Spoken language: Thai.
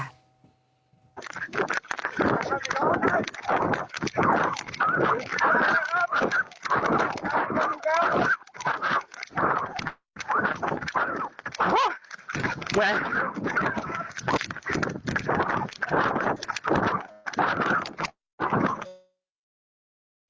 เฮ้ย